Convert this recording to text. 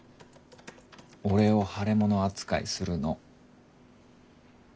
俺を腫れもの扱いするの。